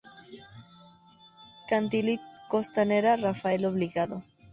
Cantilo y Costanera Rafael Obligado.